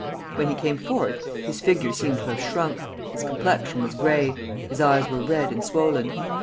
When he came forth, his figure seemed to have shrunk, his complexion was gray, his eyes were red and swollen.